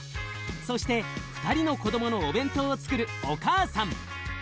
そして２人の子どものお弁当をつくるお母さん。